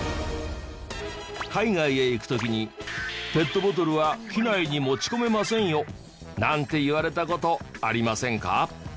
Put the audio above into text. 海外へ行く時に「ペットボトルは機内に持ち込めませんよ」なんて言われた事ありませんか？